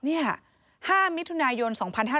นี่ห้ามิถุนายน๒๕๔๐